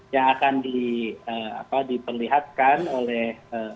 yang akan diperlihatkan oleh